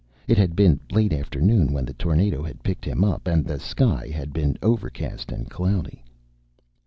It had been late afternoon when the tornado had picked him up. And the sky had been overcast and cloudy.